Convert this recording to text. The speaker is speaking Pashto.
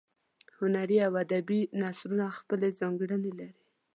هنري او ادبي نثرونه خپلې ځانګړنې لري.